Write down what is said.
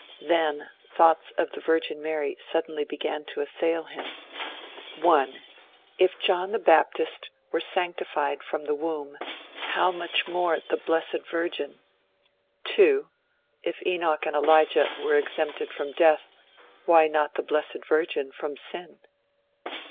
Then thoughts of the Virgin Mary suddenly began to assail him: (1) If John the Baptist were sanctified from the womb, how much more the B.V.! (2) If Enoch and Elijah were exempted from death, why not the B.V. from sin?